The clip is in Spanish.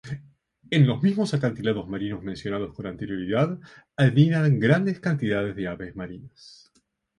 En los mismos acantilados marinos mencionados con anterioridad anidan grandes cantidades de aves marinas.